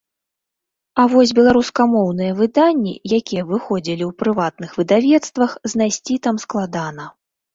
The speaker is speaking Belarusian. А вось беларускамоўныя выданні, якія выходзілі ў прыватных выдавецтвах, знайсці там складана.